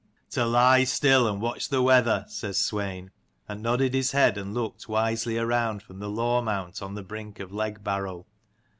"To lie still and watch the weather," says Swein, and nodded his head and looked wisely round from the law mount on the brink of Legbarrow.